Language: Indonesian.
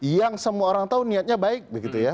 yang semua orang tahu niatnya baik